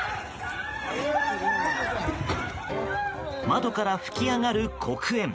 窓から噴き上がる黒煙。